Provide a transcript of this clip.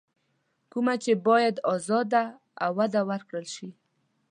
کومه چې بايد ازاده او وده ورکړل شي.